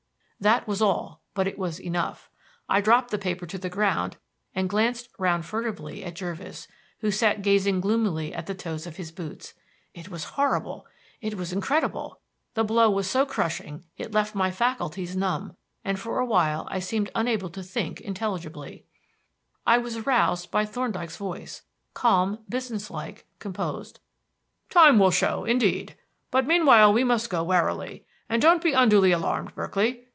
That was all; but it was enough. I dropped the paper to the ground and glanced round furtively at Jervis, who sat gazing gloomily at the toes of his boots. It was horrible! It was incredible! The blow was so crushing that it left my faculties numb, and for a while I seemed unable even to think intelligibly. I was aroused by Thorndyke's voice calm, business like, composed: "Time will show, indeed! But meanwhile we must go warily. And don't be unduly alarmed, Berkeley.